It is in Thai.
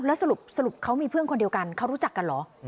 แล้วสรุปเขามีเพื่อนคนเดียวกันเขารู้จักกันเหรอ